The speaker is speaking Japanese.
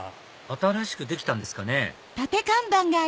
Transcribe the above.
新しくできたんですかね